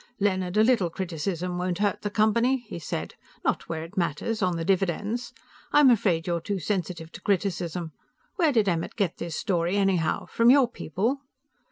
"Leonard, a little criticism won't hurt the Company," he said. "Not where it matters, on the dividends. I'm afraid you're too sensitive to criticism. Where did Emmert get this story anyhow? From your people?"